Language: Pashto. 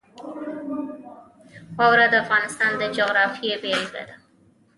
واوره د افغانستان د جغرافیې بېلګه ده.